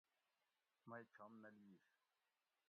مئ چھم نہ لِیش